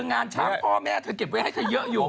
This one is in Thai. งานช้างพ่อแม่เธอเก็บไว้ให้เธอเยอะอยู่